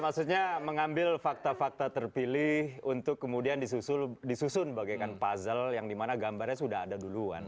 maksudnya mengambil fakta fakta terpilih untuk kemudian disusun bagaikan puzzle yang dimana gambarnya sudah ada duluan